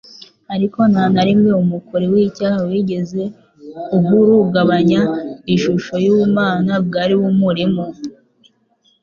ariko nta na rimwe umukori w'icyaha wigeze uhurugabanya ishusho y'ubumana bwari bumurimo.